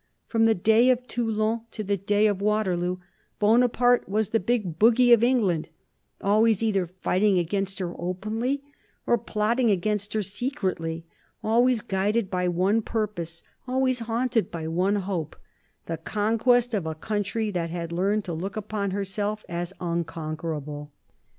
From the day of Toulon to the day of Waterloo, Bonaparte was the Big Bogey of England; always either fighting against her openly or plotting against her secretly, always guided by one purpose, always haunted by one hope the conquest of a country that had learned to look upon herself as unconquerable.